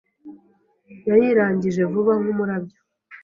Yayirangije vuba nkumurabyo.